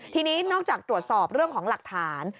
ทีนี้นอกจากตรวจสอบเรื่องของหลักฐาน